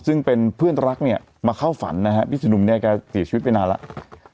ซึ่งเป็นเพื่อนรักเนี่ยมาเข้าฝันนะฮะพี่สุนุ่มเนี่ยแกเสียชีวิตไปนานแล้ว